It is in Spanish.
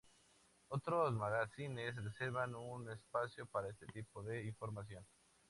Otros magazines reservan un espacio para este tipo de información.